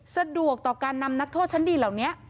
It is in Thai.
สะดวกต่อการนำนักโทษชั้นดีเหล่านี้